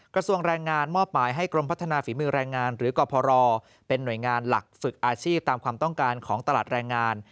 กระทรวงแรงงานมอบหมายให้กรมพัฒนาฝีมือแรงงานหรือกรพรเป็นหน่วยงานหลักฝึกอาชีพตามความต้องการของตลาดแรงงาน